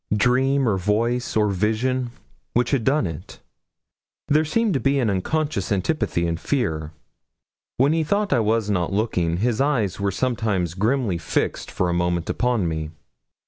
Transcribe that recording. Dream, or voice, or vision which had done it? There seemed to be an unconscious antipathy and fear. When he thought I was not looking, his eyes were sometimes grimly fixed for a moment upon me.